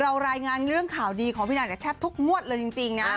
รายงานเรื่องข่าวดีของพี่นางแทบทุกงวดเลยจริงนะ